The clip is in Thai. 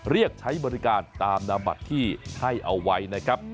เรียกใช้บริการตามนามบัตรที่ให้เอาไว้นะครับ